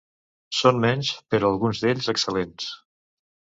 Són menys, però alguns d'ells excel·lents.